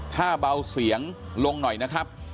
ถ้าเบาเสียงลงหน่อยนะครับ